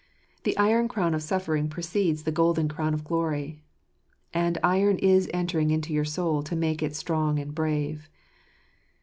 The iron crown of suffering precedes the golden crown of glory. And iron is entering into your soul to make it strong and brave.